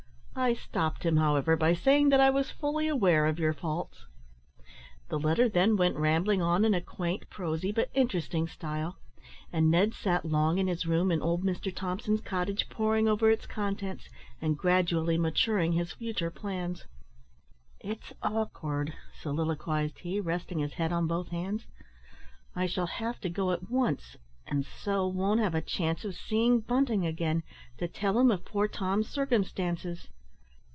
I stopped him, however, by saying that I was fully aware of your faults " The letter then went rambling on in a quaint, prosy, but interesting style; and Ned sat long in his room in old Mr Thompson's cottage poring over its contents, and gradually maturing his future plans. "It's awkward," soliloquised he, resting his head on both hands. "I shall have to go at once, and so won't have a chance of seeing Bunting again, to tell him of poor Tom's circumstances.